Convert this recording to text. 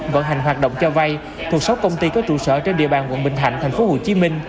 vận hành hoạt động cho vay thuộc sáu công ty có trụ sở trên địa bàn quận bình thạnh tp hcm